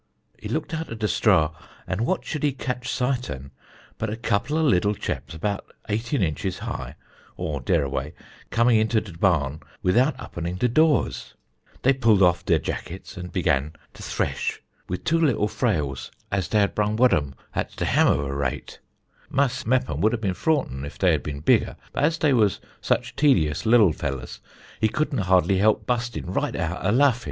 He looked out of de strah, and what should he catch sight an but a couple of liddle cheps about eighteen inches high or dereaway come into de barn without uppening the doores. Dey pulled off dere jackets and begun to thresh wud two liddle frails as dey had brung wud em at de hem of a rate. Mas' Meppom would a been froughten if dey had been bigger, but as dey was such tedious liddle fellers, he couldn't hardly help bustin right out a laffin'.